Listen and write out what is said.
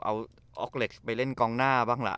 เอาออกเล็กซ์ไปเล่นกองหน้าบ้างล่ะ